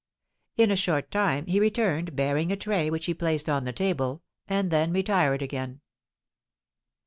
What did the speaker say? In a short time he returned, bearing a tray, which he placed on the table, and then retired again.